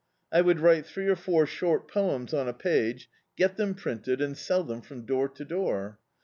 I would write three or four short poems on a page, get them printed, and sell them from door to door.